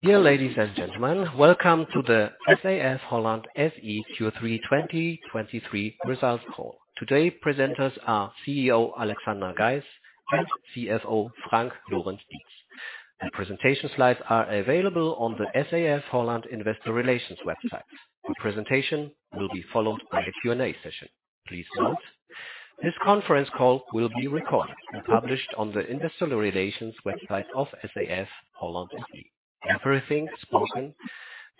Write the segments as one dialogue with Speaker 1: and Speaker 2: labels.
Speaker 1: Dear ladies and gentlemen, welcome to the SAF-HOLLAND SE Q3 2023 results call. Today, presenters are CEO Alexander Geis and CFO Frank Lorenz-Dietz. The presentation slides are available on the SAF-HOLLAND investor relations website. The presentation will be followed by the Q&A session. Please note, this conference call will be recorded and published on the investor relations website of SAF-HOLLAND SE. Everything spoken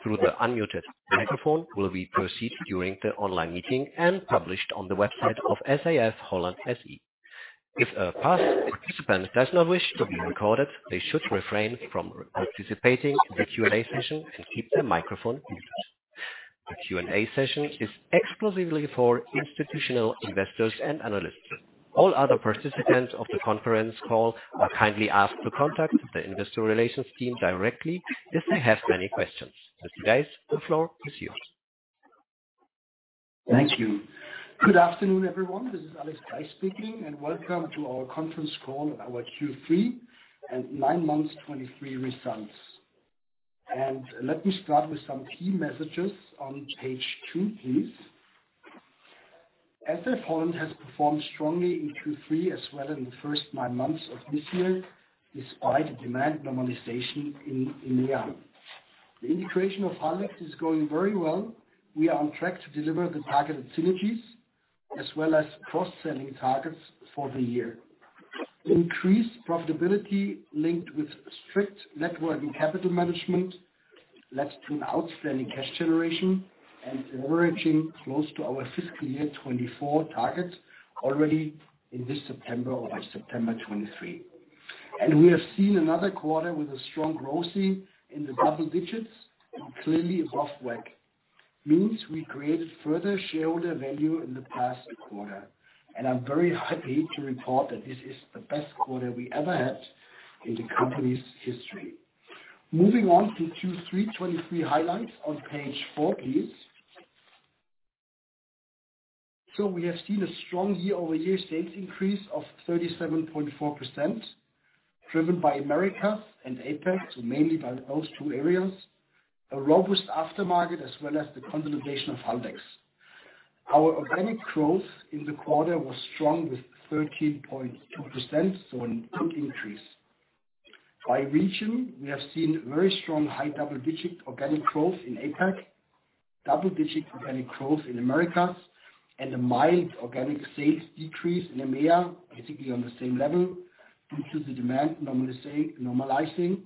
Speaker 1: through the unmuted microphone will be recorded during the online meeting and published on the website of SAF-HOLLAND SE. If a participant does not wish to be recorded, they should refrain from participating in the Q&A session and keep their microphone muted. The Q&A session is exclusively for institutional investors and analysts. All other participants of the conference call are kindly asked to contact the investor relations team directly if they have any questions. Mr. Geis, the floor is yours.
Speaker 2: Thank you. Good afternoon, everyone. This is Alex Geis speaking, and welcome to our conference call, our Q3 and nine months 2023 results. Let me start with some key messages on page two, please. SAF-HOLLAND has performed strongly in Q3, as well in the first nine months of this year, despite the demand normalization in the year. The integration of Haldex is going very well. We are on track to deliver the targeted synergies, as well as cross-selling targets for the year. Increased profitability linked with strict net working capital management led to an outstanding cash generation and leveraging close to our fiscal year 2024 target already in this September or by September 2023. We have seen another quarter with a strong growth seen in the double digits and clearly above WACC. Means we created further shareholder value in the past quarter, and I'm very happy to report that this is the best quarter we ever had in the company's history. Moving on to Q3 2023 highlights on page four, please. So we have seen a strong year-over-year sales increase of 37.4%, driven by Americas and APAC, so mainly by those two areas, a robust aftermarket, as well as the consolidation of Haldex. Our organic growth in the quarter was strong, with 13.2%, so a good increase. By region, we have seen very strong, high double-digit organic growth in APAC, double-digit organic growth in Americas, and a mild organic sales decrease in EMEA, basically on the same level, due to the demand normalizing,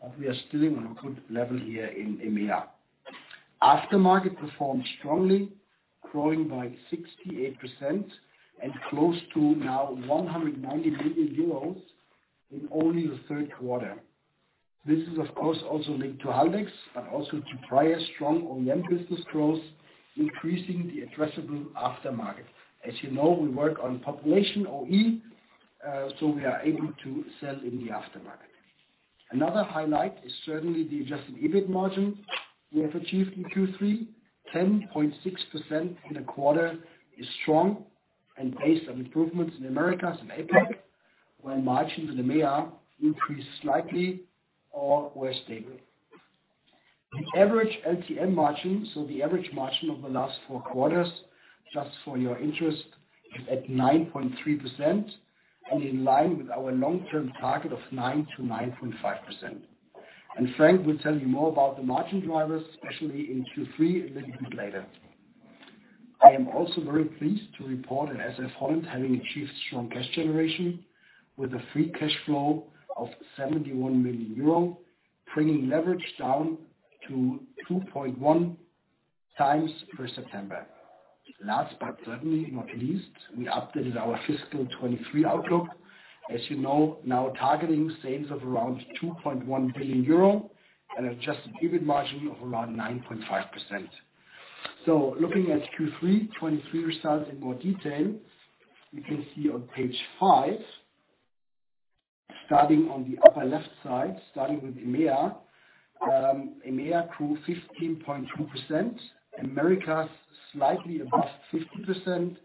Speaker 2: but we are still on a good level here in EMEA. Aftermarket performed strongly, growing by 68% and close to now 190 million euros in only the third quarter. This is, of course, also linked to Haldex, but also to prior strong OEM business growth, increasing the addressable aftermarket. As you know, we work on population OE, so we are able to sell in the aftermarket. Another highlight is certainly the Adjusted EBIT margin we have achieved in Q3. 10.6% in a quarter is strong and based on improvements in Americas and APAC, while margins in EMEA increased slightly or were stable. The average LTM margin, so the average margin of the last four quarters, just for your interest, is at 9.3% and in line with our long-term target of 9%-9.5%. Frank will tell you more about the margin drivers, especially in Q3, a little bit later. I am also very pleased to report that SAF-HOLLAND having achieved strong cash generation with a free cash flow of 71 million euro, bringing leverage down to 2.1x per September. Last, but certainly not least, we updated our fiscal 2023 outlook. As you know, now targeting sales of around 2.1 billion euro and Adjusted EBIT margin of around 9.5%. Looking at Q3 2023 results in more detail, you can see on page five, starting on the upper left side, starting with EMEA. EMEA grew 15.2%, Americas slightly above 50%,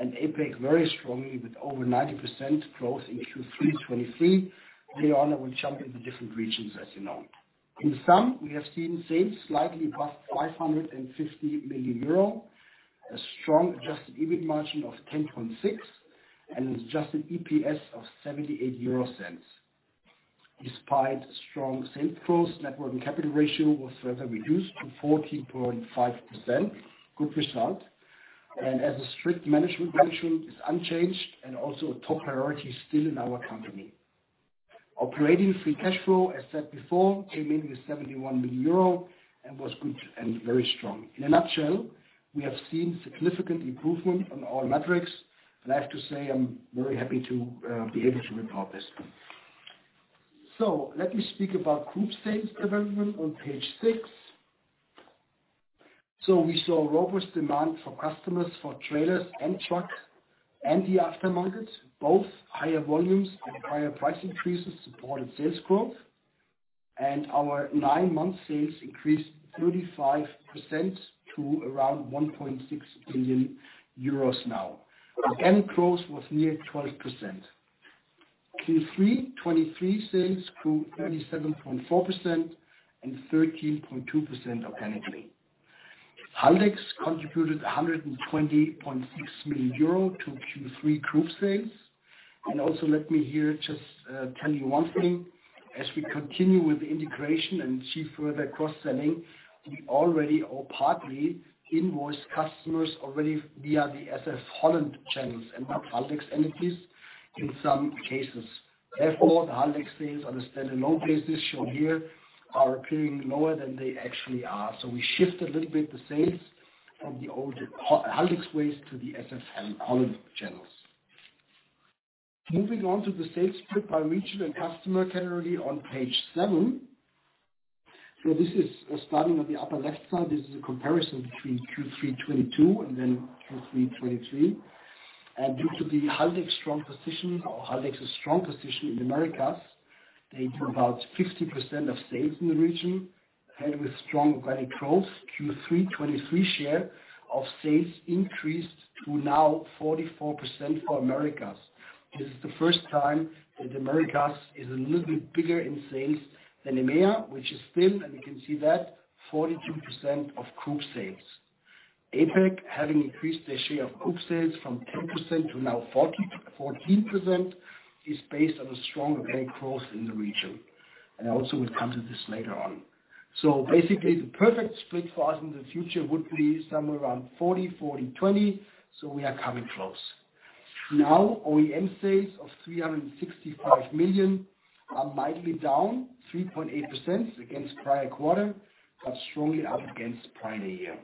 Speaker 2: and APAC very strongly with over 90% growth in Q3 2023. Later on, I will jump into different regions, as you know. In sum, we have seen sales slightly above 550 million euro, a strong Adjusted EBIT margin of 10.6%, and Adjusted EPS of 0.78. Despite strong sales growth, net working capital ratio was further reduced to 14.5%. Good result. As a strict management ratio, is unchanged and also a top priority still in our company. Operating free cash flow, as said before, came in with 71 million euro and was good and very strong. In a nutshell, we have seen significant improvement on all metrics, and I have to say I'm very happy to be able to report this. Let me speak about group sales development on page six. So we saw robust demand for customers, for trailers and trucks and the aftermarket, both higher volumes and higher price increases supported sales growth, and our nine-month sales increased 35% to around 1.6 billion euros now. Again, growth was near 12%. Q3 2023 sales grew 37.4% and 13.2% organically. Haldex contributed 120.6 million euro to Q3 group sales. Also, let me here just tell you one thing. As we continue with the integration and achieve further cross-selling, we already or partly invoice customers already via the SAF-HOLLAND channels and not Haldex entities in some cases. Therefore, the Haldex sales on a stand-alone basis shown here are appearing lower than they actually are. So we shifted a little bit the sales from the old Haldex ways to the SAF-HOLLAND channels. Moving on to the sales split by region and customer category on page seven. So this is, starting on the upper left side, this is a comparison between Q3 2022 and then Q3 2023 and due to the Haldex strong position or Haldex's strong position in Americas, they do about 50% of sales in the region, and with strong organic growth, Q3 2023 share of sales increased to now 44% for Americas. This is the first time that Americas is a little bit bigger in sales than EMEA, which is still, and you can see that, 42% of group sales. APAC, having increased their share of group sales from 10% to now 14% is based on a strong organic growth in the region, and I also will come to this later on. So basically, the perfect split for us in the future would be somewhere around 40/40/20, so we are coming close. Now, OEM sales of 365 million are mildly down, 3.8% against prior quarter, but strongly up against prior year.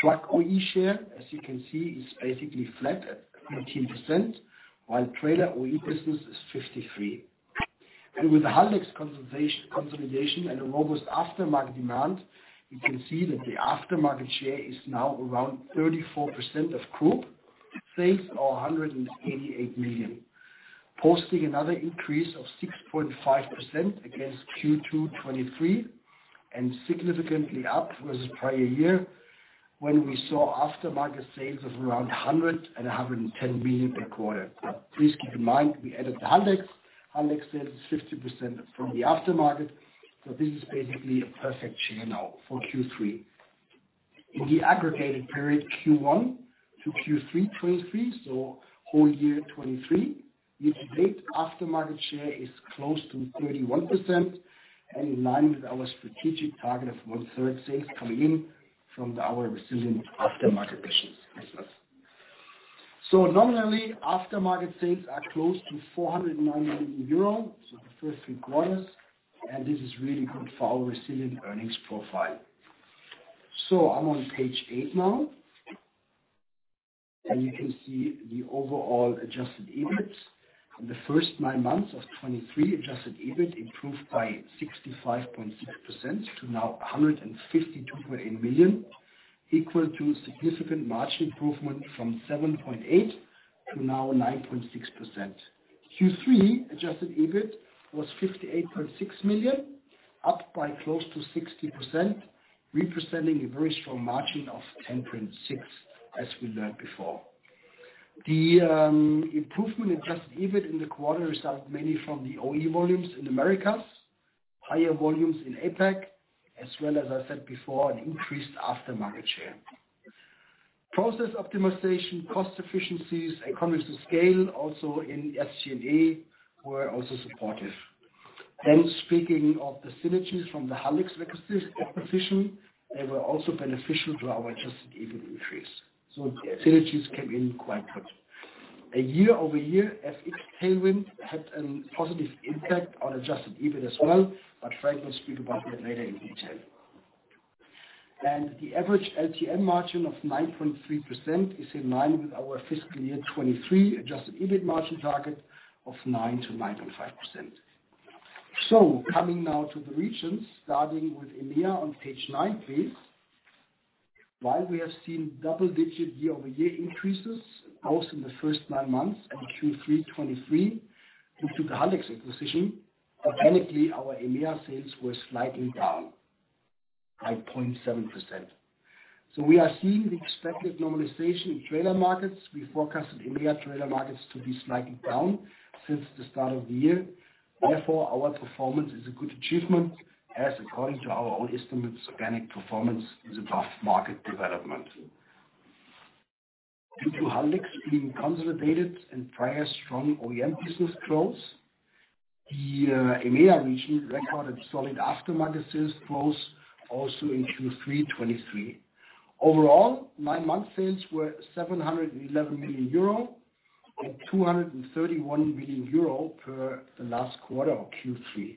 Speaker 2: Truck OE share, as you can see, is basically flat at 19%, while trailer OE business is 53%. With the Haldex consolidation and a robust aftermarket demand, you can see that the aftermarket share is now around 34% of group sales, or 188 million, posting another increase of 6.5% against Q2 2023, and significantly up versus prior year, when we saw aftermarket sales of around 110 million per quarter but please keep in mind, we added the Haldex. Haldex sales is 50% from the aftermarket, so this is basically a perfect share now for Q3. In the aggregated period, Q1-Q3 2023, so whole year 2023, year-to-date aftermarket share is close to 31% and in line with our strategic target of one-third sales coming in from our resilient aftermarket business. Nominally, aftermarket sales are close to 490 million euros, so the first 3/4, and this is really good for our resilient earnings profile. So I'm on page eight now, and you can see the overall Adjusted EBITs. In the first nine months of 2023, Adjusted EBIT improved by 65.6% to now 152.8 million, equal to significant margin improvement from 7.8% to now 9.6%. Q3 Adjusted EBIT was 58.6 million, up by close to 60%, representing a very strong margin of 10.6%, as we learned before. The improvement in Adjusted EBIT in the quarter result mainly from the OE volumes in Americas, higher volumes in APAC, as well as I said before, an increased aftermarket share. Process optimization, cost efficiencies, economies of scale, also in SG&A, were also supportive. Speaking of the synergies from the Haldex acquisition, they were also beneficial to our Adjusted EBIT increase, so the synergies came in quite good. A year-over-year FX tailwind had a positive impact on Adjusted EBIT as well, but Frank will speak about that later in detail. The average LTM margin of 9.3% is in line with our fiscal year 2023 Adjusted EBIT margin target of 9%-9.5%. So coming now to the regions, starting with EMEA on page nine, please. While we have seen double-digit year-over-year increases, also in the first nine months and Q3 2023, due to the Haldex acquisition, organically, our EMEA sales were slightly down, by 0.7%. So we are seeing the expected normalization in trailer markets. We forecasted EMEA trailer markets to be slightly down since the start of the year. Therefore, our performance is a good achievement, as according to our own estimates, organic performance is above market development. Due to Haldex being consolidated and prior strong OEM business growth, the EMEA region recorded solid aftermarket sales growth also in Q3 2023. Overall, nine-month sales were 711 million euro and 231 million euro per the last quarter of Q3.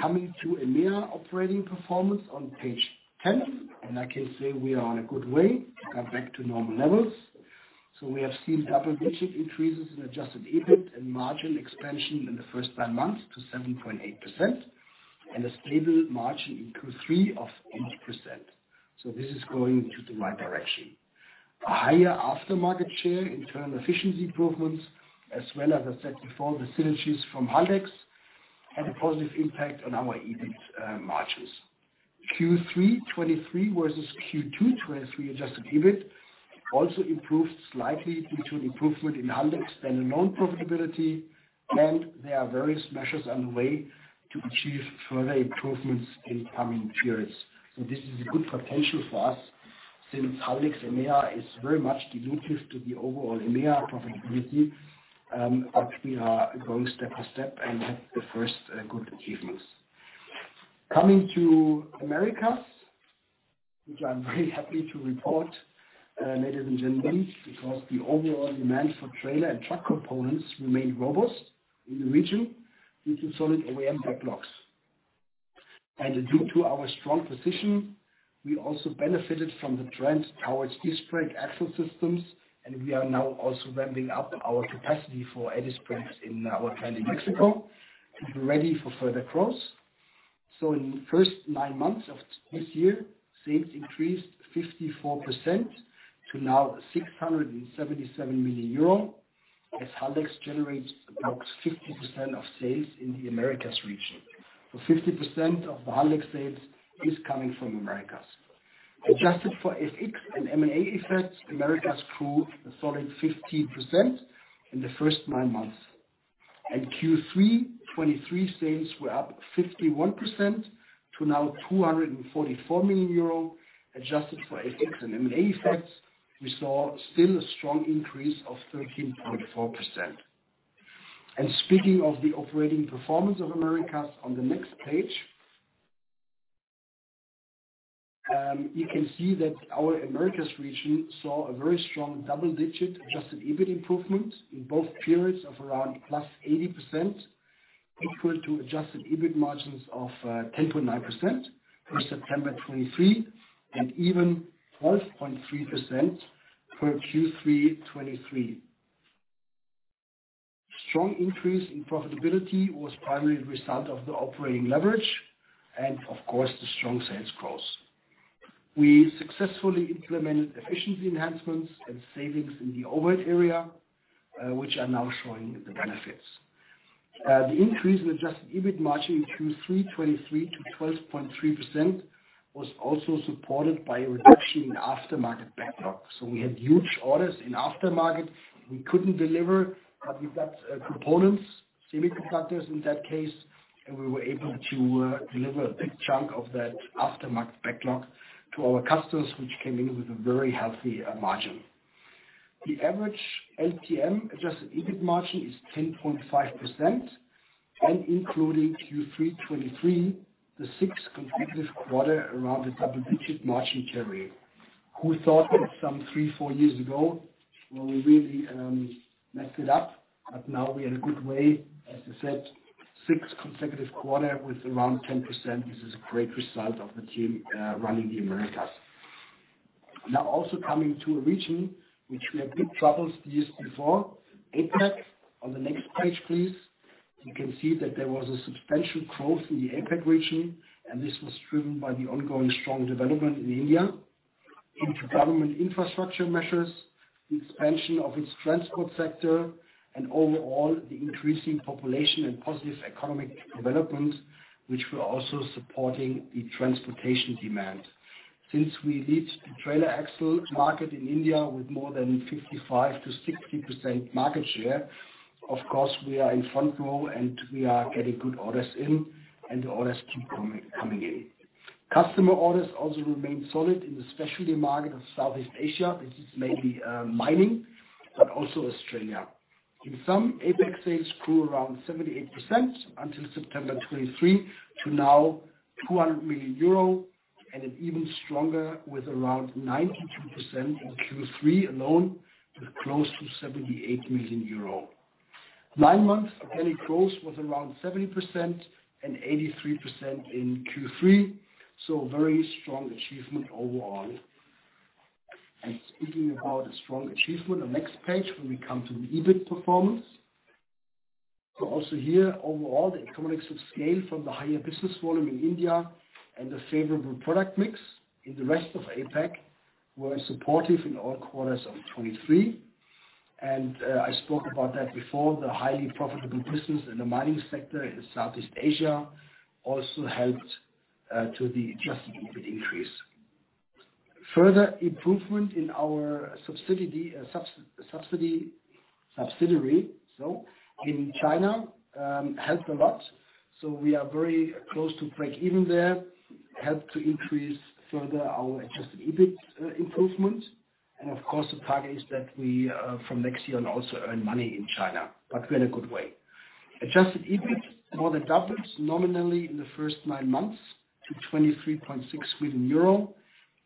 Speaker 2: Coming to EMEA operating performance on page 10, and I can say we are on a good way to come back to normal levels. So we have seen double-digit increases in Adjusted EBIT and margin expansion in the first nine months to 7.8%, and a stable margin in Q3 of 8%. So this is going to the right direction. A higher aftermarket share in turn efficiency improvements, as well as I said before, the synergies from Haldex had a positive impact on our EBIT, margins. Q3 2023 versus Q2 2023, Adjusted EBIT also improved slightly due to an improvement in Haldex and on profitability, and there are various measures on the way to achieve further improvements in coming periods. So this is a good potential for us, since Haldex EMEA is very much dilutive to the overall EMEA profitability, but we are going step by step and have the first good achievements. Coming to Americas, which I'm very happy to report, ladies and gentlemen, because the overall demand for trailer and truck components remained robust in the region due to solid OEM backlogs. Due to our strong position, we also benefited from the trend towards disc brake axle systems, and we are now also ramping up our capacity for air disc brakes in our plant in Mexico to be ready for further growth. So in the first nine months of this year, sales increased 54% to 677 million euro, as Haldex generates about 50% of sales in the Americas region. So 50% of the Haldex sales is coming from Americas. Adjusted for FX and M&A effects, Americas grew a solid 15% in the first nine months, and Q3 2023 sales were up 51% to 244 million euro. Adjusted for FX and M&A effects, we saw still a strong increase of 13.4%. Speaking of the operating performance of Americas, on the next page, you can see that our Americas region saw a very strong double-digit Adjusted EBIT improvement in both periods of around +80%, equal to Adjusted EBIT margins of 10.9% for September 2023, and even 12.3% for Q3 2023. Strong increase in profitability was primarily the result of the operating leverage and, of course, the strong sales growth. We successfully implemented efficiency enhancements and savings in the overhead area, which are now showing the benefits. The increase in Adjusted EBIT margin in Q3 2023 to 12.3% was also supported by a reduction in aftermarket backlogs. So we had huge orders in aftermarket we couldn't deliver, but we got components, semiconductors in that case, and we were able to deliver a big chunk of that aftermarket backlog to our customers, which came in with a very healthy margin. The average LTM Adjusted EBIT margin is 10.5%, and including Q3 2023, the sixth consecutive quarter around the double-digit margin carry. Who thought that some three, four years ago, when we really messed it up, but now we are in a good way. As I said, six consecutive quarter with around 10%. This is a great result of the team running the Americas. Now, also coming to a region which we had big troubles these years before, APAC, on the next page, please. You can see that there was a substantial growth in the APAC region, and this was driven by the ongoing strong development in India into government infrastructure measures, the expansion of its transport sector, and overall, the increasing population and positive economic development, which were also supporting the transportation demand. Since we lead the trailer axle market in India with more than 55%-60% market share, of course, we are in front row, and we are getting good orders in, and the orders keep coming, coming in. Customer orders also remain solid in the specialty market of Southeast Asia. This is mainly mining, but also Australia. In sum, APAC sales grew around 78% until September 2023 to now 200 million euro, and an even stronger with around 92% in Q3 alone, with close to 78 million euro. Nine months, organic growth was around 70% and 83% in Q3, so very strong achievement overall. Speaking about a strong achievement, the next page, when we come to the EBIT performance. So also here, overall, the economies of scale from the higher business volume in India and the favorable product mix in the rest of APAC were supportive in all quarters of 2023. I spoke about that before, the highly profitable business in the mining sector in Southeast Asia also helped to the Adjusted EBIT increase. Further improvement in our subsidiary in China helped a lot, so we are very close to break even there. Helped to increase further our Adjusted EBIT improvement. Of course, the target is that we from next year on also earn money in China, but we're in a good way. Adjusted EBIT more than doubled nominally in the first nine months to 23.6 million euro,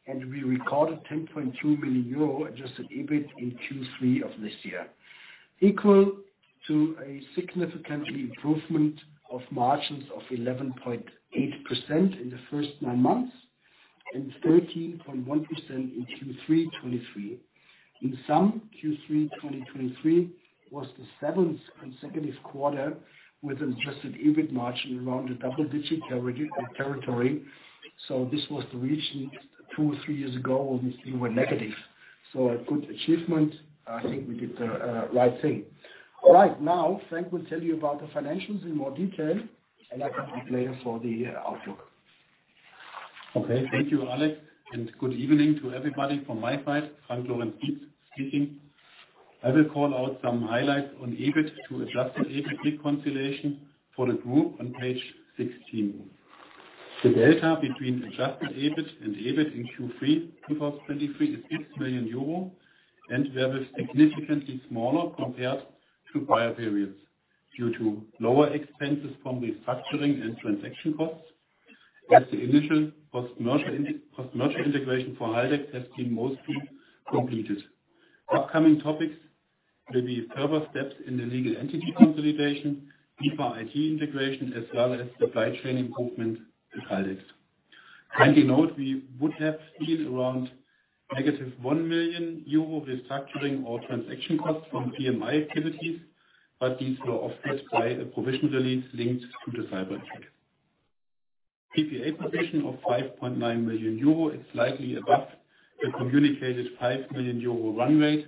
Speaker 2: and we recorded 10.2 million euro Adjusted EBIT in Q3 of this year, equal to a significant improvement of margins of 11.8% in the first nine months and 13.1% in Q3 2023. In sum, Q3 2023 was the seventh consecutive quarter with an Adjusted EBIT margin around the double-digit territory. So this was the regime 2-3 years ago, when we were negative. So a good achievement. I think we did the right thing. All right, now, Frank will tell you about the financials in more detail, and I can be later for the outlook.
Speaker 3: Okay, thank you, Alex, and good evening to everybody from my side. Frank Lorenz-Dietz speaking. I will call out some highlights on EBIT to Adjusted EBIT reconciliation for the group on page 16. The delta between Adjusted EBIT and EBIT in Q3 2023 is 6 million euro, and we have a significantly smaller compared to prior periods, due to lower expenses from restructuring and transaction costs, as the initial post-merger integration for Haldex has been mostly completed. Upcoming topics will be further steps in the legal entity consolidation, deeper IT integration, as well as supply chain improvement to Haldex. Kindly note, we would have seen around negative 1 million euro restructuring or transaction costs from PMI activities, but these were offset by a provision release linked to the cyber attack. PPA position of 5.9 million euro is slightly above the communicated 5 million euro run rate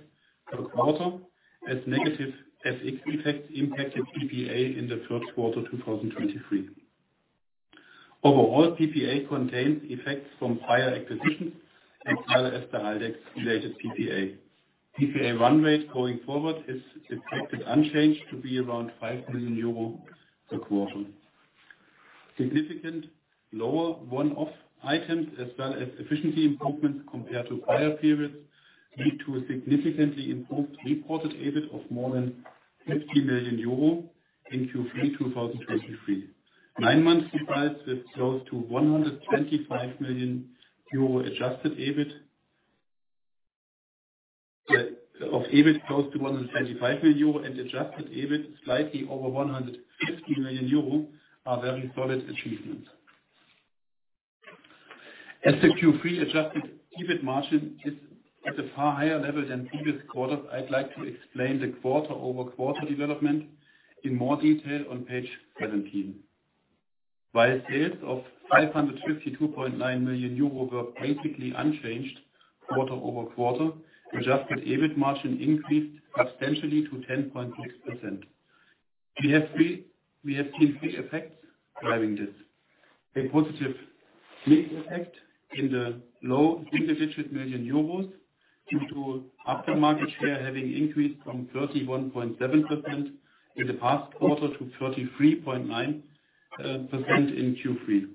Speaker 3: per quarter, as negative FX effects impacted PPA in the first quarter, 2023. Overall, PPA contains effects from prior acquisitions, as well as the Haldex-related PPA. PPA run rate going forward is expected unchanged to be around 5 million euro per quarter. Significantly lower one-off items, as well as efficiency improvements compared to prior periods, lead to a significantly improved reported EBIT of more than 50 million euro in Q3 2023. Nine months surprise with close to 125 million euro Adjusted EBIT. Yeah, of EBIT, close to 125 million euro and Adjusted EBIT, slightly over 150 million euro, are very solid achievements. As the Q3 Adjusted EBIT margin is at a far higher level than previous quarters, I'd like to explain the quarter-over-quarter development in more detail on page 17. While sales of 552.9 million euro were basically unchanged quarter-over-quarter, Adjusted EBIT margin increased substantially to 10.6%. We have seen three effects driving this. A positive mix effect in the low single-digit million EUR, due to aftermarket share having increased from 31.7% in the past quarter to 33.9% in Q3.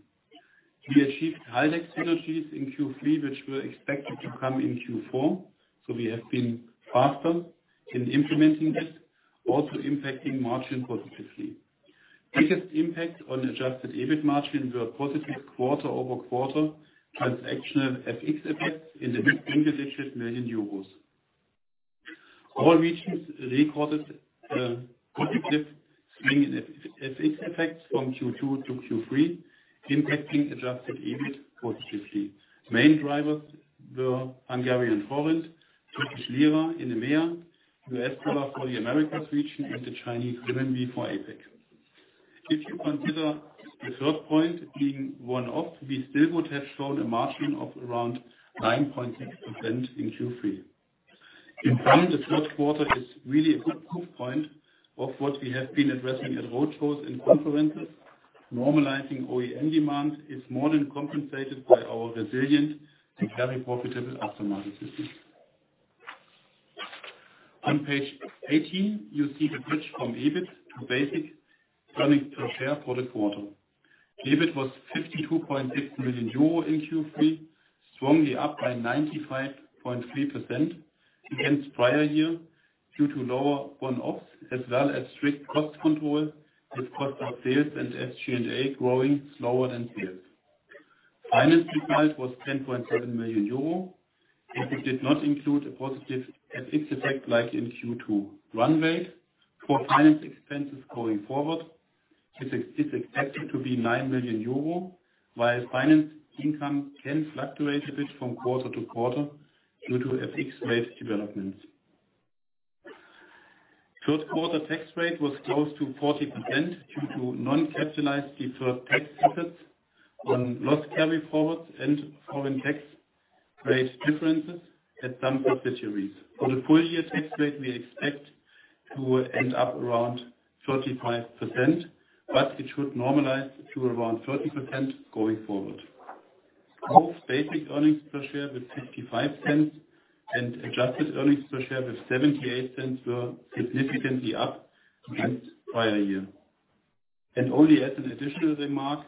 Speaker 3: We achieved Haldex synergies in Q3, which were expected to come in Q4, so we have been faster in implementing this, also impacting margin positively. Biggest impact on Adjusted EBIT margin were positive quarter-over-quarter transactional FX effects in the mid-single-digit million EUR. All regions recorded positive swing in FX effects from Q2-Q3, impacting Adjusted EBIT positively. Main drivers were Hungarian forint, Turkish lira in EMEA, U.S. dollar for the Americas region, and the Chinese renminbi for APAC. If you consider the third point being one-off, we still would have shown a margin of around 9.6% in Q3. In fact, the third quarter is really a good proof point of what we have been addressing at road shows and conferences. Normalizing OEM demand is more than compensated by our resilient and very profitable aftermarket business. On page 18, you see the bridge from EBIT to basic earnings per share for the quarter. EBIT was 52.6 million euro in Q3, strongly up by 95.3% against prior year, due to lower one-offs, as well as strict cost control, with cost of sales and SG&A growing slower than sales. Finance result was 10.7 million euro, and it did not include a positive FX effect like in Q2. Run rate for finance expenses going forward is expected to be 9 million euro, while finance income can fluctuate a bit from quarter-to-quarter due to FX rate developments. Third quarter tax rate was close to 40% due to non-capitalized deferred tax assets on loss carryforwards and foreign tax rate differences at some subsidiaries. For the full year tax rate, we expect to end up around 35%, but it should normalize to around 30% going forward. Both basic earnings per share with 0.55 and Adjusted earnings per share with 0.78 were significantly up against prior year and only as an additional remark,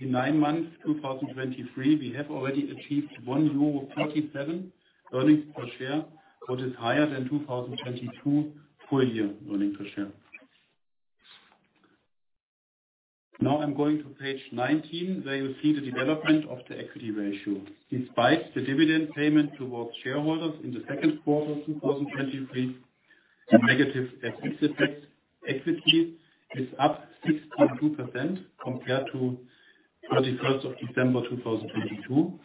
Speaker 3: in nine months, 2023, we have already achieved 1.37 euro earnings per share, what is higher than 2022 full year earnings per share. Now I'm going to page 19, where you see the development of the equity ratio. Despite the dividend payment towards shareholders in the second quarter of 2023, a negative FX effect, equity is up 62% compared to December 31, 2022.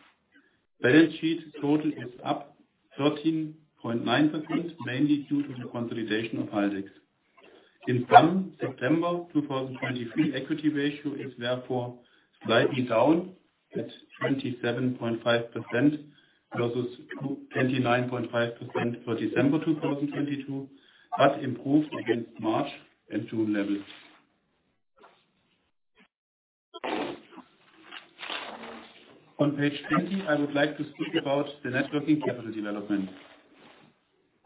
Speaker 3: Balance sheet total is up 13.9%, mainly due to the consolidation of Haldex. As of September 2023, equity ratio is therefore slightly down at 27.5% versus 29.5% for December 2022, but improved against March and June levels. On page 20, I would like to speak about the net working capital development.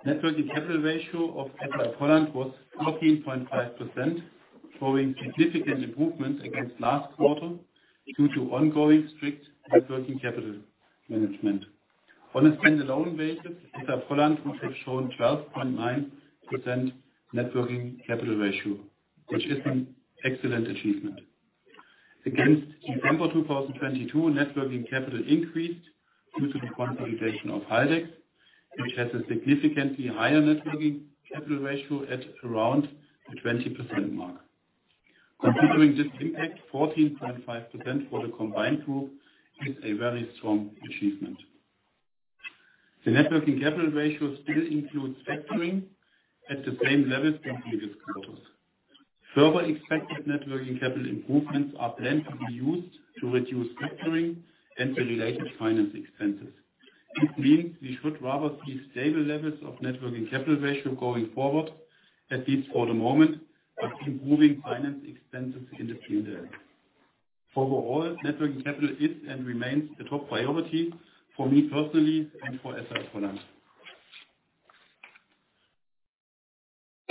Speaker 3: Net working capital ratio of SAF-HOLLAND was 14.5%, showing significant improvements against last quarter due to ongoing strict net working capital management. On a stand-alone basis, SAF-HOLLAND would have shown 12.9% net working capital ratio, which is an excellent achievement. Against December 2022, net working capital increased due to the consolidation of Haldex, which has a significantly higher net working capital ratio at around the 20% mark. Considering this impact, 14.5% for the combined group is a very strong achievement. The net working capital ratio still includes factoring at the same level as previous quarters. Further expected net working capital improvements are planned to be used to reduce factoring and the related finance expenses. This means we should rather see stable levels of net working capital ratio going forward, at least for the moment, but improving finance expenses in the future. Overall, net working capital is and remains a top priority for me personally and for SAF-HOLLAND.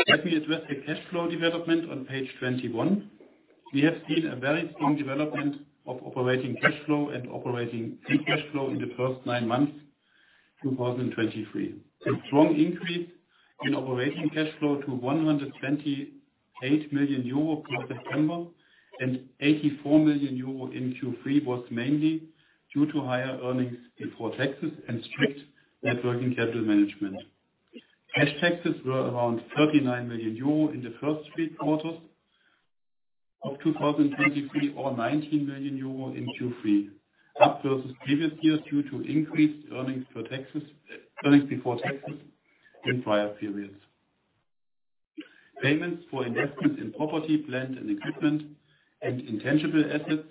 Speaker 3: Let me address the cash flow development on page 21. We have seen a very strong development of operating cash flow and operating free cash flow in the first nine months, 2023. A strong increase in operating cash flow to 128 million euro year-to-date and 84 million euro in Q3 was mainly due to higher earnings before taxes and strict net working capital management. Cash taxes were around 39 million euro in the first three quarters of 2023, or 19 million euro in Q3, up versus previous years due to increased earnings per taxes, earnings before taxes in prior periods. Payments for investments in property, plant, and equipment and intangible assets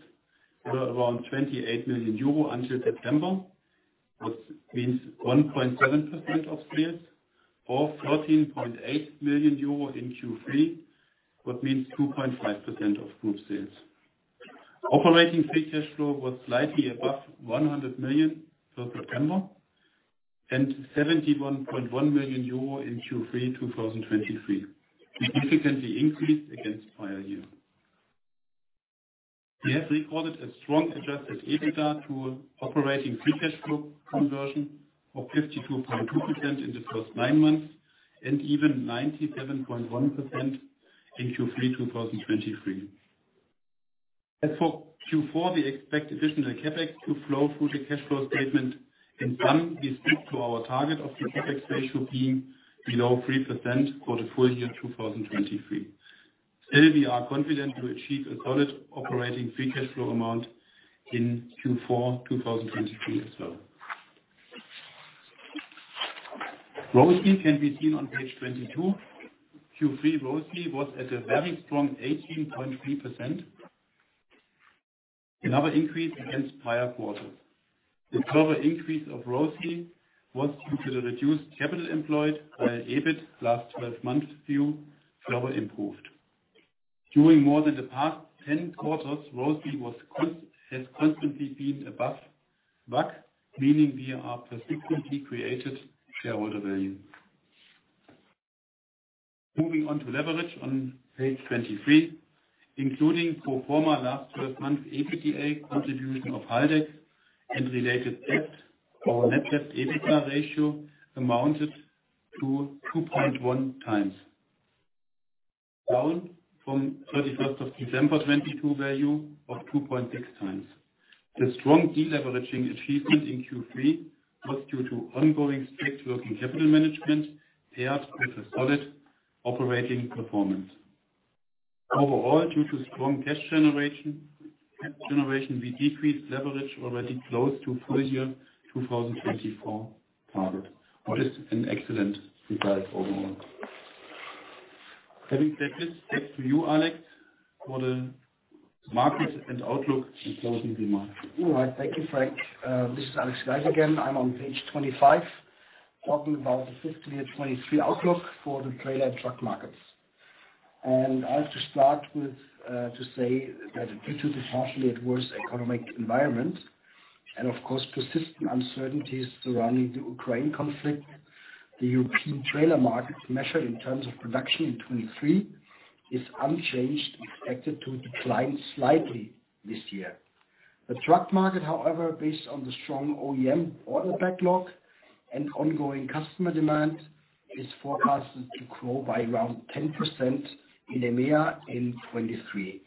Speaker 3: were around 28 million euro until September, which means 1.7% of sales, or 13.8 million euro in Q3, which means 2.5% of group sales. Operating free cash flow was slightly above 100 million for September, and 71.1 million euro in Q3 2023, significantly increased against prior year. We have recorded a strong Adjusted EBITDA to operating free cash flow conversion of 52.2% in the first nine months, and even 97.1% in Q3 2023. As for Q4, we expect additional CapEx to flow through the cash flow statement, and one, we stick to our target of the CapEx ratio being below 3% for the full year 2023. Still, we are confident to achieve a solid operating free cash flow amount in Q4 2023 as well. ROCE can be seen on page 22. Q3 ROCE was at a very strong 18.3%, another increase against prior quarter. The further increase of ROCE was due to the reduced capital employed by EBIT last 12 months view, further improved. During more than the past 10 quarters, ROCE has constantly been above WACC, meaning we have consistently created shareholder value. Moving on to leverage on page 23, including pro forma last 12 months EBITDA, contribution of Haldex and related debt. Our net debt EBITDA ratio amounted to 2.1x, down from 31st of December 2022 value of 2.6x. The strong deleveraging achievement in Q3 was due to ongoing strict working capital management, paired with a solid operating performance. Overall, due to strong cash generation, we decreased leverage already close to full year 2024 target, which is an excellent result overall. Having said this, back to you, Alex, for the markets and outlook and closing remarks.
Speaker 2: All right. Thank you, Frank. This is Alexander Geis again. I'm on page 25, talking about the FY 2023 outlook for the trailer and truck markets. I have to start with to say that due to the partially adverse economic environment and, of course, persistent uncertainties surrounding the Ukraine conflict, the European trailer market, measured in terms of production in 2023, is unchanged, expected to decline slightly this year. The truck market, however, based on the strong OEM order backlog and ongoing customer demand, is forecasted to grow by around 10% in EMEA in 2023.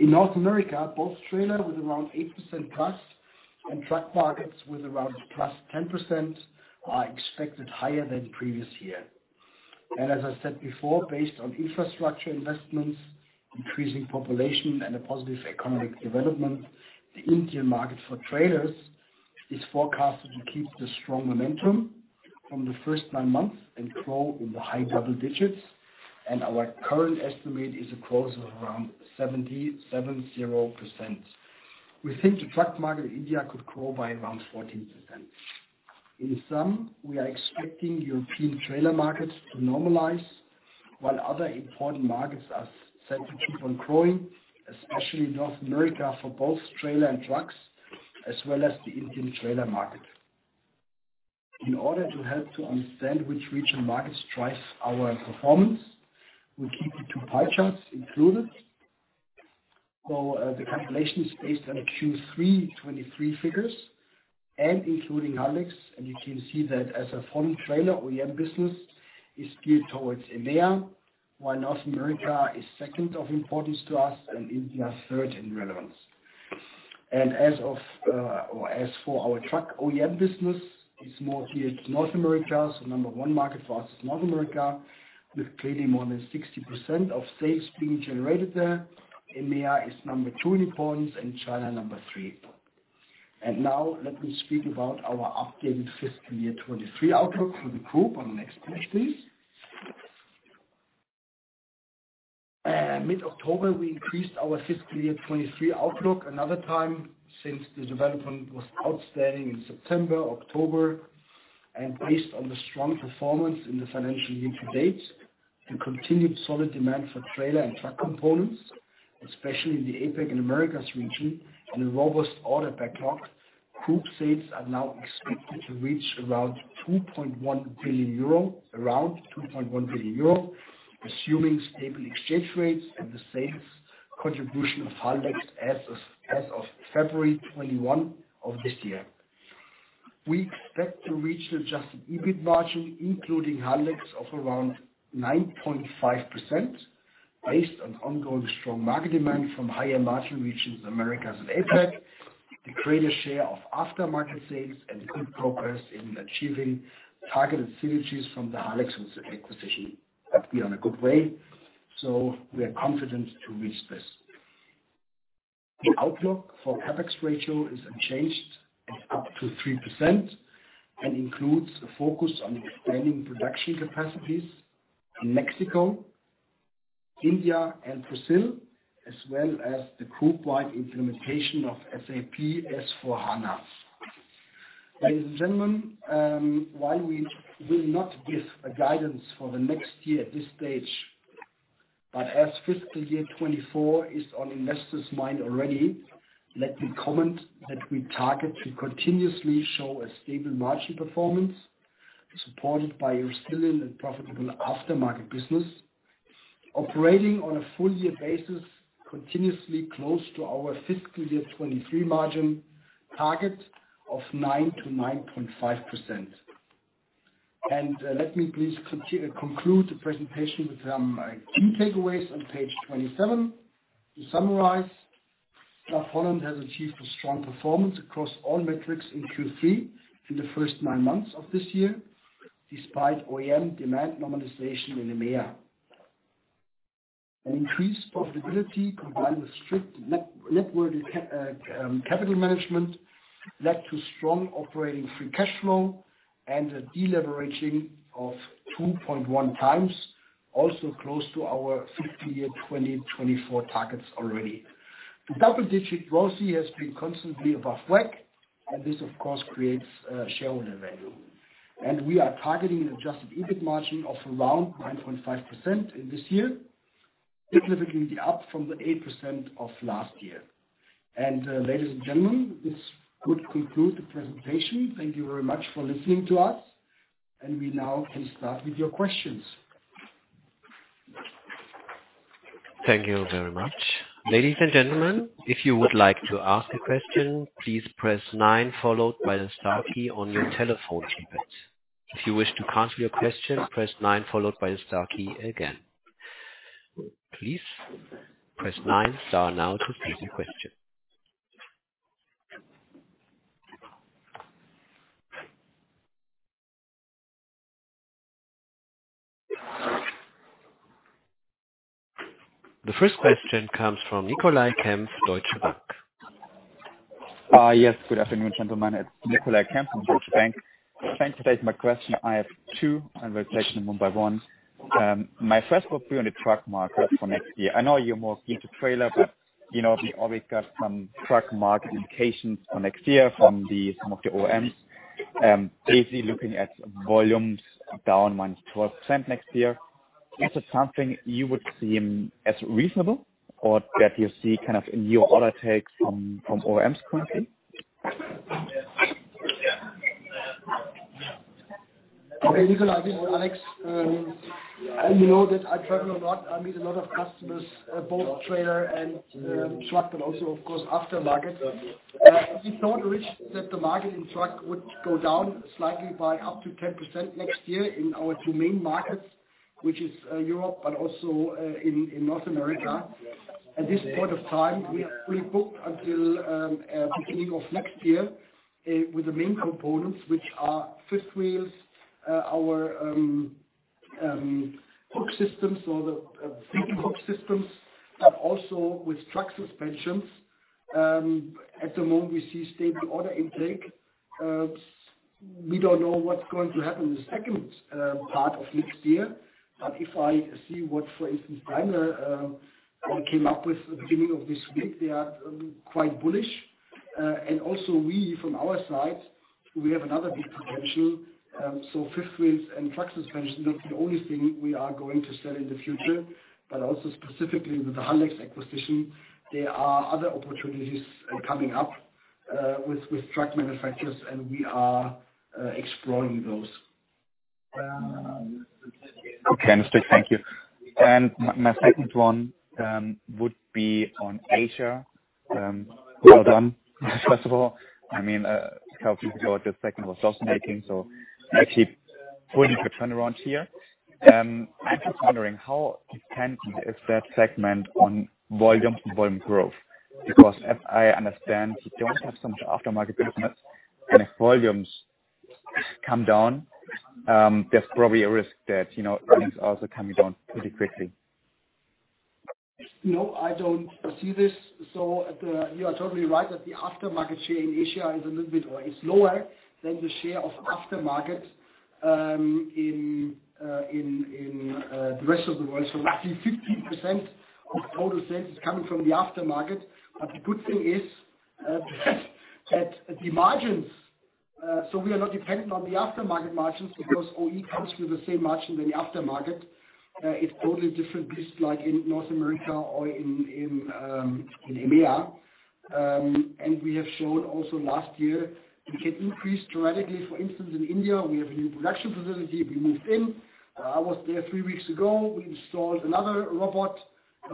Speaker 2: In North America, both trailer with around 8%+ and truck markets with around +10%, are expected higher than previous year. As I said before, based on infrastructure investments, increasing population, and a positive economic development, the Indian market for trailers is forecasted to keep the strong momentum from the first nine months and grow in the high double digits, and our current estimate is a growth of around 77%. We think the truck market in India could grow by around 14%. In sum, we are expecting European trailer markets to normalize, while other important markets are set to keep on growing, especially North America, for both trailer and trucks, as well as the Indian trailer market. In order to help to understand which regional markets drives our performance, we keep the two pie charts included. So, the compilation is based on Q3 2023 figures and including Haldex, and you can see that as our trailer OEM business is geared towards EMEA, while North America is second of importance to us and India, third in relevance. As for our truck OEM business, it's more geared to North America. Number one market for us is North America, with clearly more than 60% of sales being generated there. EMEA is number two in importance and China, number three. Now let me speak about our updated fiscal year 2023 outlook for the group on the next page, please. Mid-October, we increased our fiscal year 2023 outlook another time since the development was outstanding in September, October, and based on the strong performance in the financial year-to-date, the continued solid demand for trailer and truck components, especially in the APAC and Americas region, and a robust order backlog, group sales are now expected to reach around 2.1 billion euro, around 2.1 billion euro, assuming stable exchange rates and the sales contribution of Haldex as of February 2021 of this year. We expect to reach the Adjusted EBIT margin, including Haldex, of around 9.5%, based on ongoing strong market demand from higher margin regions, Americas and APAC, the greater share of aftermarket sales and good progress in achieving targeted synergies from the Haldex acquisition. We are on a good way, so we are confident to reach this. The outlook for CapEx ratio is unchanged at up to 3% and includes a focus on expanding production capacities in Mexico, India and Brazil, as well as the group-wide implementation of SAP S/4HANA. Ladies and gentlemen, while we will not give a guidance for the next year at this stage, but as fiscal year 2024 is on investors' mind already, let me comment that we target to continuously show a stable margin performance, supported by a resilient and profitable aftermarket business, operating on a full year basis, continuously close to our fiscal year 2023 margin target of 9%-9.5%. Let me please conclude the presentation with key takeaways on page 27. To summarize, SAF-HOLLAND has achieved a strong performance across all metrics in Q3 in the first nine months of this year, despite OEM demand normalization in EMEA. An increased profitability, combined with strict net working capital management, led to strong operating free cash flow and a deleveraging of 2.1x, also close to our fiscal year 2024 targets already. The double-digit ROCE has been constantly above WACC, and this of course creates shareholder value. We are targeting an Adjusted EBIT margin of around 9.5% in this year, significantly up from the 8% of last year. Ladies and gentlemen, this would conclude the presentation. Thank you very much for listening to us, and we now can start with your questions.
Speaker 1: Thank you very much. Ladies and gentlemen, if you would like to ask a question, please press nine, followed by the star key on your telephone keypad. If you wish to cancel your question, press nine, followed by the star key again. Please press nine star now to ask your question. The first question comes from Nicolai Kempf, Deutsche Bank.
Speaker 4: Yes, good afternoon, gentlemen. It's Nicolai Kempf from Deutsche Bank. Thank you for taking my question. I have two, and we'll take them one by one. My first will be on the truck market for next year. I know you're more into trailer, but, you know, we always got some truck market indications for next year from the, some of the OEMs. Basically, looking at volumes down -12% next year. Is this something you would see as reasonable or that you see kind of in your order takes from OEMs currently?
Speaker 2: Okay, Nicolai, this is Alex. And you know that I travel a lot. I meet a lot of customers, both trailer and truck, but also, of course, aftermarket. We thought that the market in truck would go down slightly by up to 10% next year in our two main markets, which is Europe, but also in North America. At this point of time, we are fully booked until beginning of next year with the main components, which are fifth wheels, our hook systems or the hook systems, but also with truck suspensions. At the moment, we see stable order intake. We don't know what's going to happen in the second part of next year. But if I see what, for instance, Daimler, came up with the beginning of this week, they are quite bullish. Also we, from our side, we have another big potential. So fifth wheels and truck suspension, not the only thing we are going to sell in the future, but also specifically with the Haldex acquisition, there are other opportunities coming up, with truck manufacturers, and we are exploring those.
Speaker 4: Okay, thank you. My second one would be on Asia. Well done, first of all. I mean, a couple of people, the second was also making, so actually putting a turnaround here. I'm just wondering, how dependent is that segment on volume, volume growth? Because as I understand, you don't have so much aftermarket business, and if volumes come down, there's probably a risk that, you know, earnings are also coming down pretty quickly.
Speaker 2: No, I don't see this. You are totally right, that the aftermarket share in Asia is a little bit or is lower than the share of aftermarket in the rest of the world. So roughly 15% of total sales is coming from the aftermarket. But the good thing is, that the margins. So we are not dependent on the aftermarket margins, because OE comes with the same margin than the aftermarket. It's only different just like in North America or in EMEA and we have shown also last year, we can increase dramatically. For instance, in India, we have a new production facility we moved in. I was there three weeks ago. We installed another robot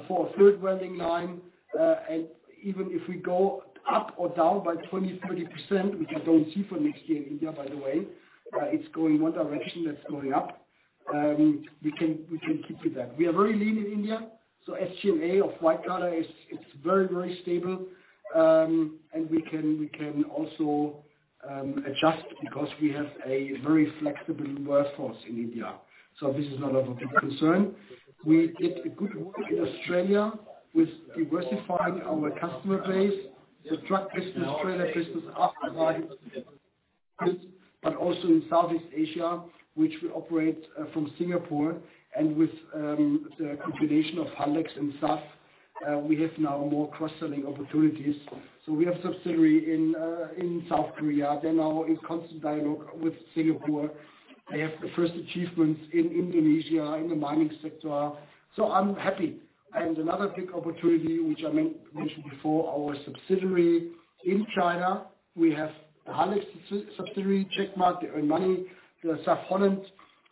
Speaker 2: for a third welding line. Even if we go up or down by 20%, 30%, which I don't see for next year in India, by the way, it's going one direction, that's going up. We can keep with that. We are very lean in India, so SG&A of white collar is, it's very, very stable and we can, we can also adjust because we have a very flexible workforce in India. So this is not of a big concern. We did a good work in Australia with diversifying our customer base, the truck business, trailer business, aftermarket, but also in Southeast Asia, which we operate from Singapore and with the combination of Haldex and SAF, we have now more cross-selling opportunities. So we have subsidiary in in South Korea. They're now in constant dialogue with Singapore. They have the first achievements in Indonesia, in the mining sector. So I'm happy. Another big opportunity, which I mentioned before, our subsidiary in China. We have Haldex subsidiary check-marked. They earn money. SAF-HOLLAND,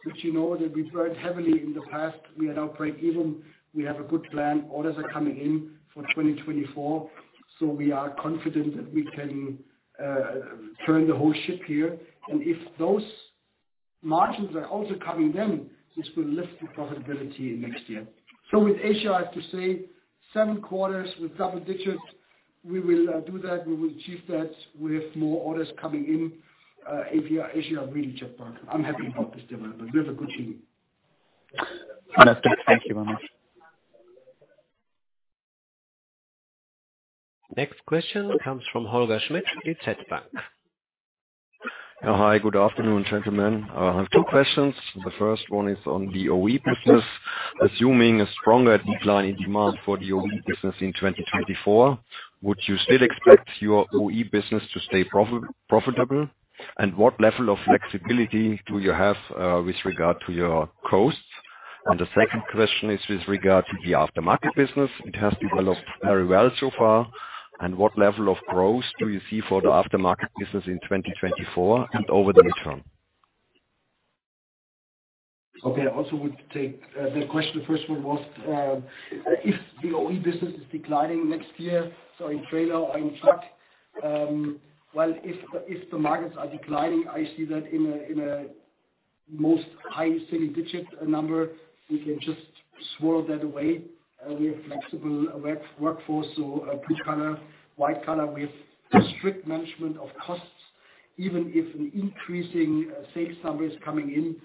Speaker 2: which you know that we worked heavily in the past, we are now break even. We have a good plan. Orders are coming in for 2024, so we are confident that we can turn the whole ship here and if those margins are also coming in, this will lift the profitability in next year. So with Asia, I have to say seven quarters with double digits, we will do that, we will achieve that. We have more orders coming in. Asia are really checked mark. I'm happy about this development. We have a good team.
Speaker 4: Understood. Thank you very much.
Speaker 1: Next question comes from Holger Schmidt at DZ Bank.
Speaker 5: Hi, good afternoon, gentlemen. I have two questions. The first one is on the OE business. Assuming a stronger decline in demand for the OE business in 2024, would you still expect your OE business to stay profitable and what level of flexibility do you have with regard to your costs? The second question is with regard to the aftermarket business. It has developed very well so far, and what level of growth do you see for the aftermarket business in 2024 and over the midterm?
Speaker 2: Okay, I also would take the question. The first one was if the OE business is declining next year, so in trailer or in truck, well, if the markets are declining, I see that in a mid- to high single-digit number, we can just swirl that away. We have flexible workforce, so blue collar, white collar. We have strict management of costs. Even if an increasing sales number is coming in,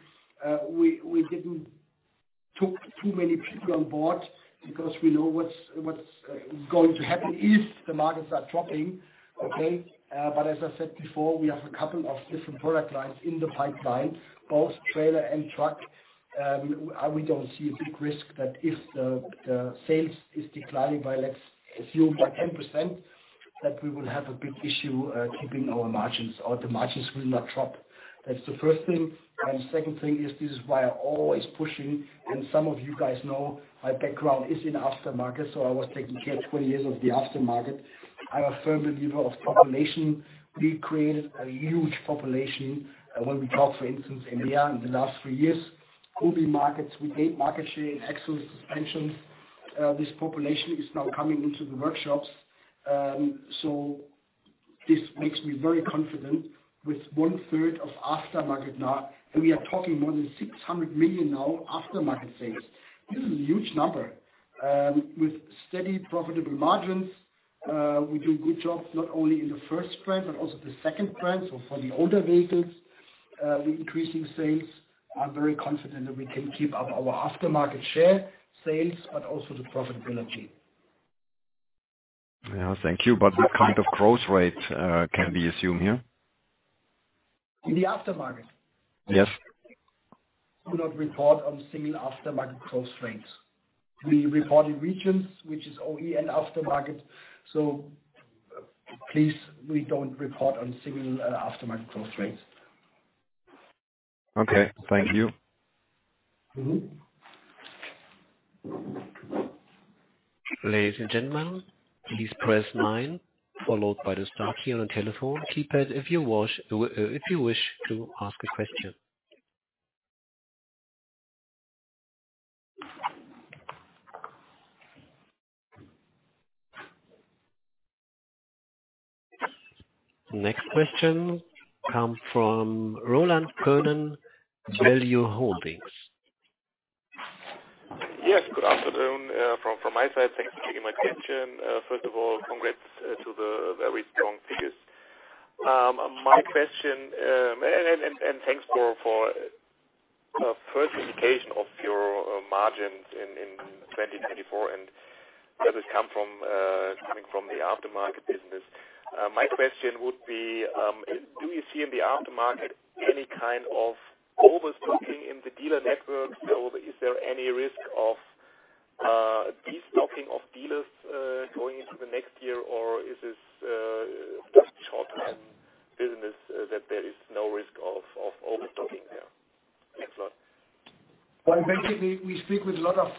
Speaker 2: we didn't take too many people on board because we know what's going to happen if the markets are dropping. Okay, but as I said before, we have a couple of different product lines in the pipeline, both trailer and truck. We don't see a big risk that if the sales is declining by, let's assume, 10%, that we will have a big issue keeping our margins or the margins will not drop. That's the first thing. The second thing is, this is why I'm always pushing, and some of you guys know my background is in aftermarket, so I was taking care 20 years of the aftermarket. I'm a firm believer of population. We created a huge population. When we talk, for instance, India, in the last three years, OEM markets, we gained market share in axle suspensions. This population is now coming into the workshops. So this makes me very confident. With 1/3 of aftermarket now, and we are talking more than 600 million now, aftermarket sales. This is a huge number with steady, profitable margins. We do good jobs, not only in the first brand, but also the second brand. So for the older vehicles, the increasing sales, I'm very confident that we can keep up our aftermarket share sales, but also the profitability.
Speaker 5: Yeah, thank you. But what kind of growth rate can we assume here?
Speaker 2: In the aftermarket?
Speaker 5: Yes.
Speaker 2: We do not report on single aftermarket growth rates. We report in regions, which is OE and aftermarket, so please, we don't report on single aftermarket growth rates.
Speaker 5: Okay, thank you.
Speaker 1: Ladies and gentlemen, please press nine, followed by the star key on your telephone keypad, if you wish to ask a question. Next question come from Roland Könen, Value Holdings.
Speaker 6: Yes, good afternoon. From my side, thank you for taking my question. First of all, congrats to the very strong figures. My question and thanks for first indication of your margins in 2024, and that has come from the aftermarket business. My question would be, do you see in the aftermarket any kind of overstocking in the dealer network? So is there any risk of destocking of dealers going into the next year, or is this just short-term business that there is no risk of overstocking there? Thanks a lot.
Speaker 2: Well, basically, we speak with a lot of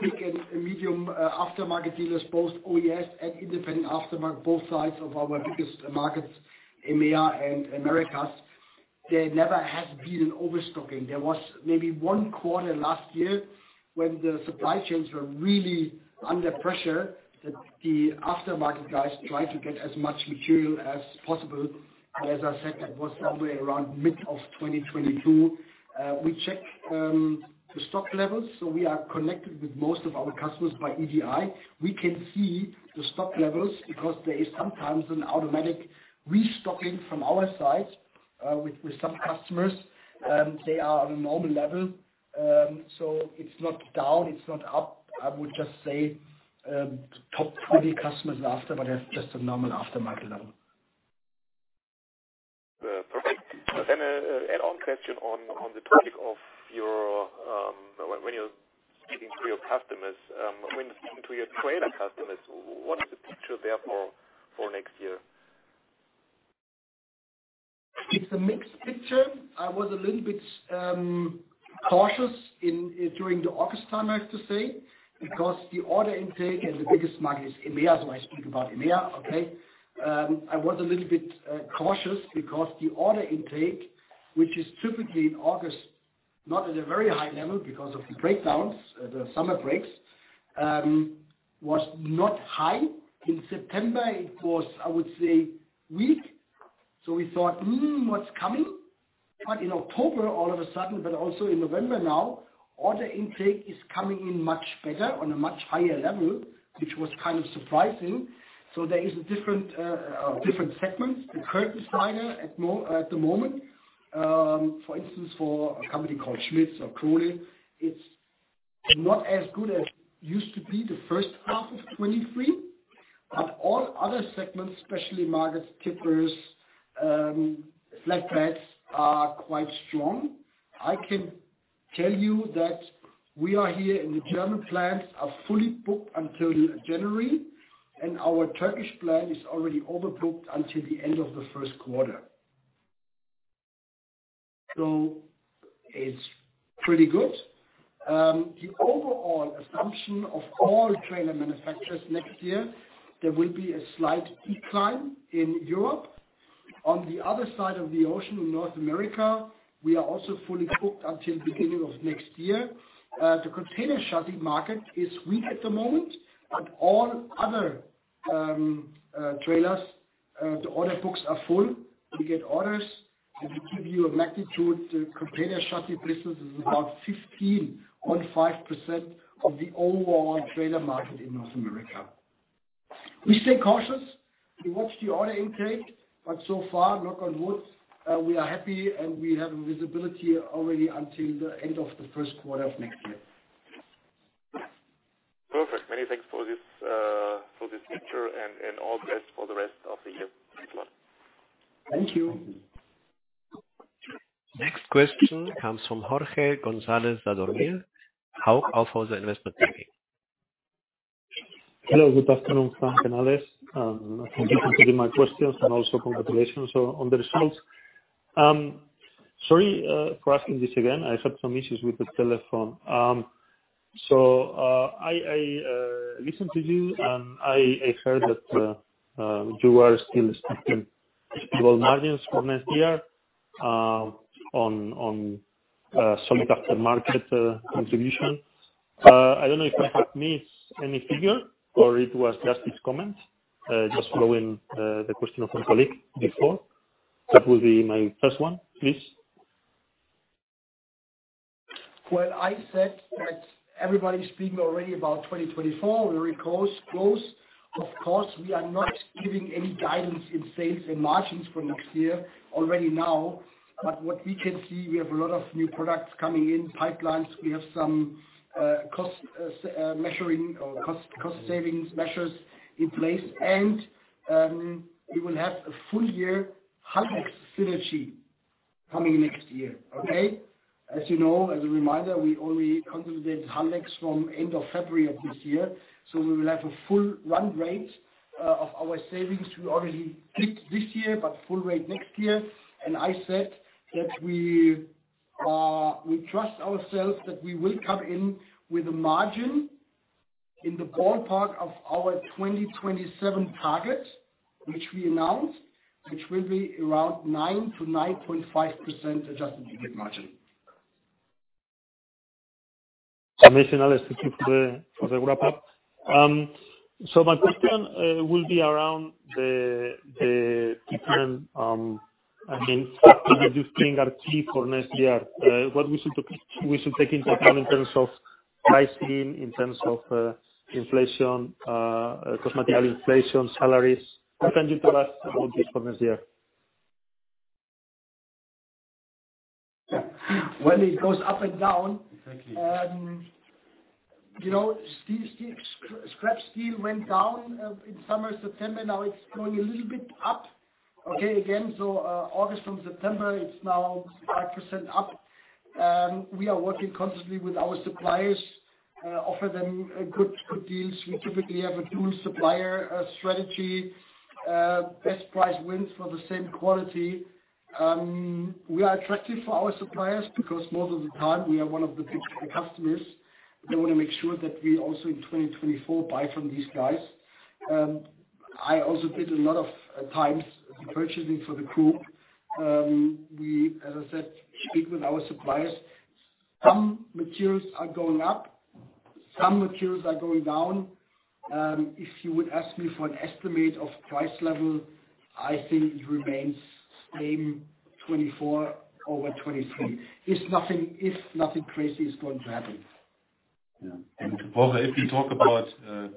Speaker 2: big and medium aftermarket dealers, both OES and independent aftermarket, both sides of our biggest markets, EMEA and Americas. There never has been an overstocking. There was maybe one quarter last year when the supply chains were really under pressure, that the aftermarket guys tried to get as much material as possible. But as I said, that was somewhere around mid-2022. We checked the stock levels, so we are connected with most of our customers by EDI. We can see the stock levels because there is sometimes an automatic restocking from our side, with some customers, they are on a normal level. So it's not down, it's not up. I would just say, top 20 customers in the aftermarket have just a normal aftermarket level.
Speaker 6: Perfect. Then, an add-on question on the topic of your, when you're speaking to your customers, when speaking to your trailer customers, what is the picture there for next year?
Speaker 2: It's a mixed picture. I was a little bit cautious in during the August time, I have to say, because the order intake in the biggest market is EMEA, so I speak about EMEA, okay? I was a little bit cautious because the order intake, which is typically in August, not at a very high level because of the breakdowns, the summer breaks, was not high. In September, it was, I would say, weak. So we thought, "Hmm, what's coming?" But in October, all of a sudden, but also in November now, order intake is coming in much better, on a much higher level, which was kind of surprising. So there is a different different segments. The curtainside at the moment, for instance, for a company called Schmitz or Krone, it's not as good as it used to be the first half of 2023, but all other segments, especially megas, tippers, flat beds, are quite strong. I can tell you that we are here in the German plants, are fully booked until January, and our Turkish plant is already overbooked until the end of the first quarter. So it's pretty good. The overall assumption of all trailer manufacturers next year, there will be a slight decline in Europe. On the other side of the ocean, in North America, we are also fully booked until beginning of next year. The container chassis market is weak at the moment, but all other trailers, the order books are full. We get orders. To give you a magnitude, the container chassis business is about 15.5% of the overall trailer market in North America. We stay cautious. We watch the order intake, but so far, knock on wood, we are happy, and we have visibility already until the end of the first quarter of next year.
Speaker 6: Perfect. Many thanks for this, for this picture and, and all the best for the rest of the year. Thanks a lot.
Speaker 2: Thank you.
Speaker 1: Next question comes from Jorge González Sadornil, Hauck Aufhäuser Investment Banking.
Speaker 7: Hello, good afternoon, Frank and Alex. Thank you for taking my questions, and also congratulations on the results. Sorry for asking this again. I had some issues with the telephone. I listened to you, and I heard that you are still expecting low margins for next year, on some aftermarket contribution. I don't know if I have missed any figure or it was just this comment, just following the question of my colleague before. That would be my first one, please.
Speaker 2: Well, I said that everybody is speaking already about 2024, very close, close. Of course, we are not giving any guidance in sales and margins for next year already now. But what we can see, we have a lot of new products coming in pipelines. We have some cost savings measures in place and we will have a full year synergy coming next year, okay? As you know, as a reminder, we only consolidated from end of February of this year, so we will have a full run rate of our savings. We already peaked this year, but full rate next year. I said that we trust ourselves that we will come in with a margin in the ballpark of our 2027 target, which we announced, which will be around 9%-9.5% Adjusted EBIT margin.
Speaker 7: Additionally, thank you for the wrap-up. So my question will be around the different, I mean, for next year. What we should take into account in terms of price increase, in terms of inflation, cosmetic inflation, salaries. What can you tell us about this for next year?
Speaker 2: Well, it goes up and down.
Speaker 7: Exactly.
Speaker 2: You know, scrap steel went down in summer, September, now it's going a little bit up, okay, again. So, August from September, it's now 5% up. We are working constantly with our suppliers, offer them good, good deals. We typically have a dual supplier strategy. Best price wins for the same quality. We are attractive for our suppliers because most of the time we are one of the big customers. They want to make sure that we also, in 2024, buy from these guys. I also did a lot of times the purchasing for the group. We, as I said, speak with our suppliers. Some materials are going up, some materials are going down. If you would ask me for an estimate of price level, I think it remains same 2024 over 2023, if nothing crazy is going to happen.
Speaker 3: Yeah. Also, if we talk about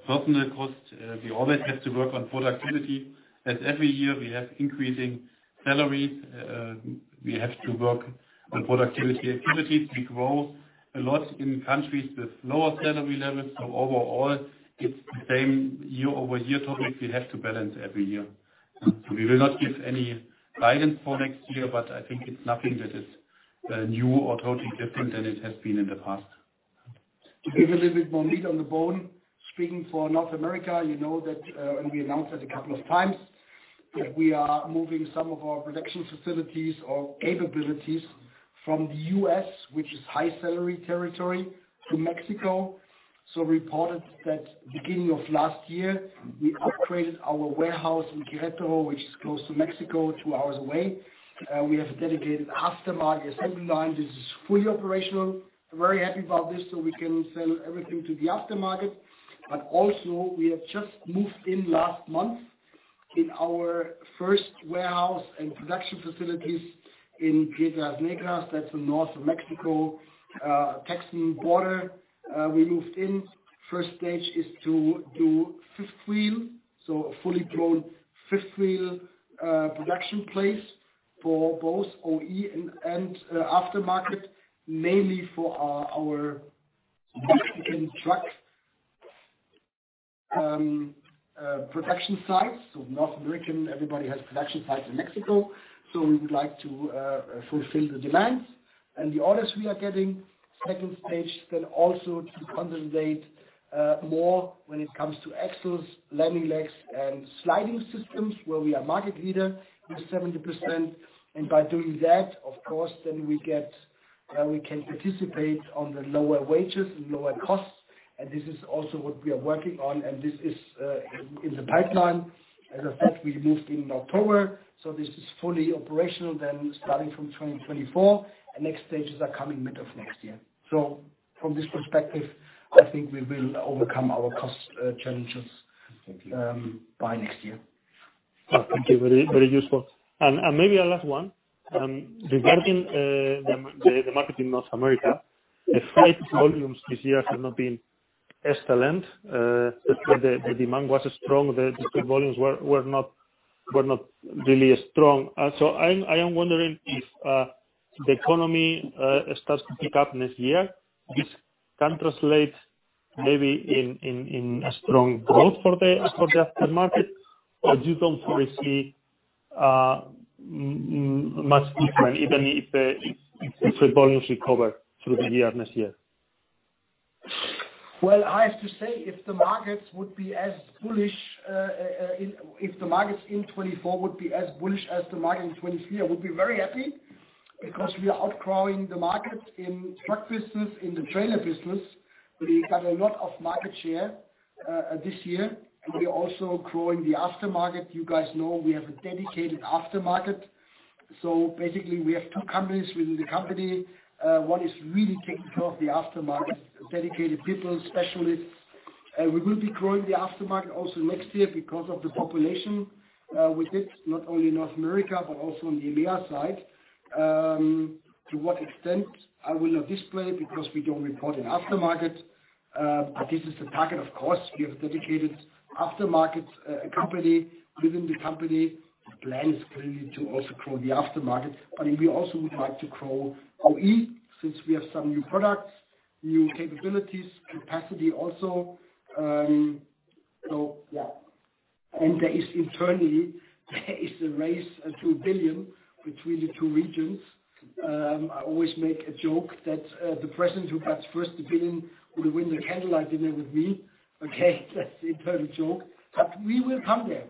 Speaker 3: personal costs, we always have to work on productivity. As every year, we have increasing salaries, we have to work on productivity activities. We grow a lot in countries with lower salary levels, so overall, it's the same year-over-year total we have to balance every year. We will not give any guidance for next year, but I think it's nothing that is new or totally different than it has been in the past.
Speaker 2: To give a little bit more meat on the bone, speaking for North America, you know that, and we announced it a couple of times, that we are moving some of our production facilities or capabilities from the U.S., which is high salary territory, to Mexico. So we reported that beginning of last year, we upgraded our warehouse in Querétaro, which is close to Mexico, two hours away. We have a dedicated aftermarket assembly line. This is fully operational. Very happy about this, so we can sell everything to the aftermarket. But also we have just moved in last month in our first warehouse and production facilities in Piedras Negras. That's the north of Mexico, Texas border. We moved in. First stage is to do fifth wheel, so a fully grown fifth wheel production place for both OE and aftermarket, mainly for our Mexican truck production sites. So North American, everybody has production sites in Mexico, so we would like to fulfill the demands and the orders we are getting. Second stage, then also to consolidate more when it comes to axles, landing legs, and sliding systems, where we are market leader with 70% and by doing that, of course, then we get we can participate on the lower wages and lower costs, and this is also what we are working on, and this is in the pipeline. As I said, we moved in October, so this is fully operational then starting from 2024, and next stages are coming mid of next year. So from this perspective, I think we will overcome our cost challenges by next year.
Speaker 7: Thank you. Very, very useful. Maybe a last one. Regarding the market in North America, the freight volumes this year have not been excellent but the demand was strong, the volumes were not really as strong. So I am wondering if the economy starts to pick up next year, this can translate maybe in a strong growth for the aftermarket or you don't really see much different, even if the volumes recover through the year, next year?
Speaker 2: Well, I have to say, if the markets would be as bullish in 2024 as the market in 2023, I would be very happy because we are outgrowing the market in truck business, in the trailer business. We got a lot of market share this year, and we are also growing the aftermarket. You guys know, we have a dedicated aftermarket. So basically, we have two companies within the company. One is really taking care of the aftermarket, dedicated people, specialists. We will be growing the aftermarket also next year because of the population with it, not only in North America, but also on the EMEA side. To what extent, I will not display because we don't report an aftermarket, but this is the target, of course. We have dedicated aftermarket company within the company. The plan is clearly to also grow the aftermarket, and we also would like to grow OE, since we have some new products, new capabilities, capacity also. So yeah, and there is internally, there is a race to 1 billion between the two regions. I always make a joke that the person who gets first the billion will win the candlelight dinner with me. Okay, that's the internal joke, but we will come there.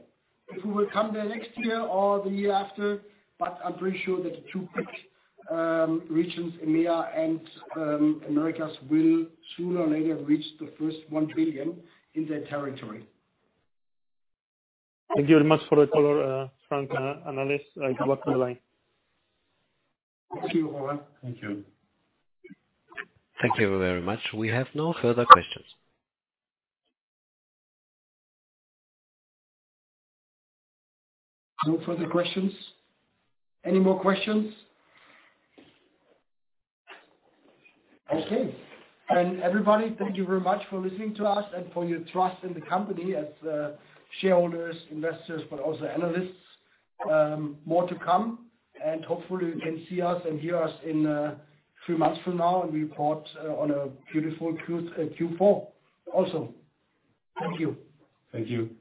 Speaker 2: If we will come there next year or the year after, but I'm pretty sure that the two big regions, EMEA and Americas, will sooner or later reach the first 1 billion in their territory.
Speaker 7: Thank you very much for the call, Frank and Alex, goodbye.
Speaker 2: Thank you, Jorge.
Speaker 3: Thank you.
Speaker 1: Thank you very much. We have no further questions.
Speaker 2: No further questions? Any more questions? Okay. Everybody, thank you very much for listening to us and for your trust in the company as shareholders, investors, but also analysts. More to come, and hopefully you can see us and hear us in three months from now and we report on a beautiful Q4 also. Thank you.
Speaker 3: Thank you.